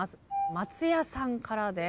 松也さんからです。